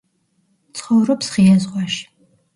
ცხოვრობს ღია ზღვაში.